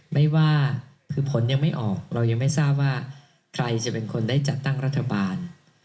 ไม่ว่าคือผลยังไม่ออกเรายังไม่ทราบว่าใครจะเป็นคนได้จัดตั้งรัฐบาล